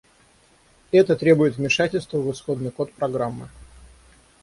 Это требует вмешательства в исходный код программы